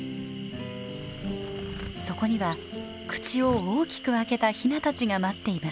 そこには口を大きく開けたヒナたちが待っていました。